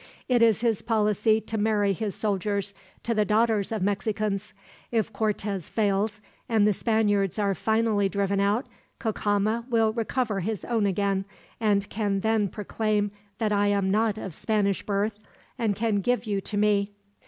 It is his policy to marry his soldiers to the daughters of Mexicans. If Cortez fails, and the Spaniards are finally driven out, Cacama will recover his own again, and can then proclaim that I am not of Spanish birth, and can give you to me.